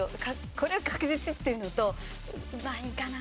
「これは確実」っていうのと「まあいいかな？